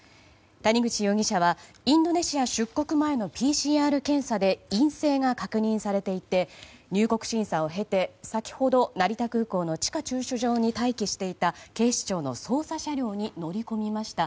谷口容疑者はインドネシア出国前のＰＣＲ検査で陰性が確認されていて入国審査を経て先ほど成田空港の地下駐車場に待機していた警視庁の捜査車両に乗り込みました。